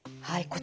はい。